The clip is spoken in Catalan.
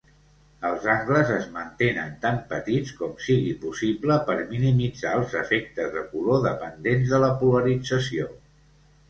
Els angles es mantenen tan petits com sigui possible per minimitzar els efectes de color dependents de la polarització.